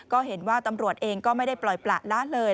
ก็เห็นว่าตำรวจเองก็ไม่ได้ปล่อยประละเลย